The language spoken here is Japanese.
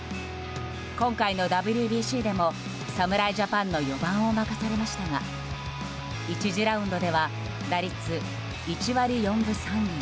今回のＷＢＣでも、侍ジャパンの４番を任されましたが１次ラウンドでは打率１割４分３厘。